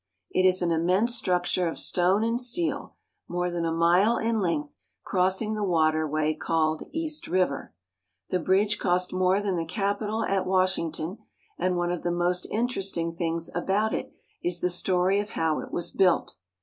It is an immense structure of stone and steel, more than a mile in length, crossing the water way called East River. The bridge cost more than the Capitol at Washington, and one of the most interesting things about it is the story of how it was built.